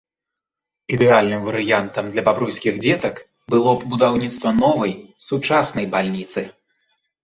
Ідэальным варыянтам для бабруйскіх дзетак было б будаўніцтва новай, сучаснай бальніцы.